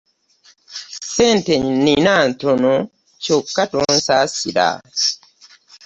Ssente nnina ntono kyokka tonsaasira.